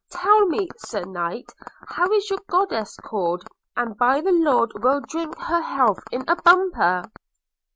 – Tell me, Sir Knight, how is your goddess called? and by the Lord we'll drink her health in a bumper!'